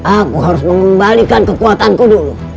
aku harus mengembalikan kekuatanku dulu